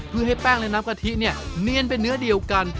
เพื่อให้แป้งและน้ำกะทิเนี่ยเนียนเป็นเนื้อเดียวกัน